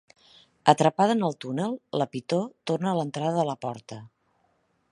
Atrapada en el túnel, la pitó torna a l'entrada de la porta.